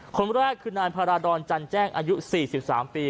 คนแรกคือนายพาราดรจันแจ้งอายุ๔๓ปี